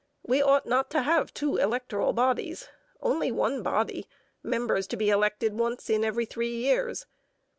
We ought not to have two electoral bodies. Only one body, members to be elected once in every three years.